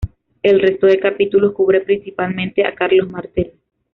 El resto de capítulos cubren principalmente a Carlos Martel.